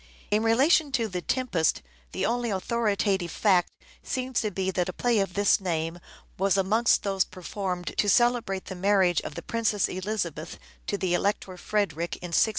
In relation to " The Tempest " the only authoritative fact seems to be that a play of this name was amongst those performed to celebrate the marriage of the Princess Elizabeth to the Elector Frederick in 1613.